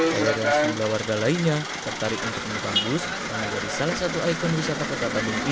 pada dasar warga lainnya tertarik untuk menukang bus menjadi salah satu ikon wisata kota bandung ini